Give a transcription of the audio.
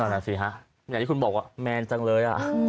นั่นน่ะสิฮะอย่างที่คุณบอกว่าแมนจังเลย